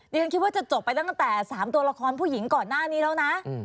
ฉันคิดว่าจะจบไปตั้งแต่๓ตัวละครผู้หญิงก่อนหน้านี้แล้วนะ